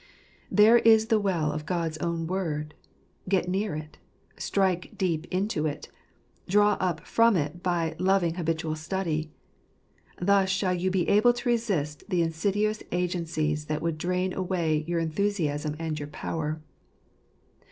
There is the well of God's own Word ! Get near it ; strike deep into it ; draw up from it by loving habitual study. Thus shall you be able to resist the insidious agencies that would drain away your enthusiasm and your power.